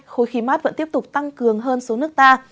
khối khí mát vẫn tiếp tục tăng cường hơn xuống nước ta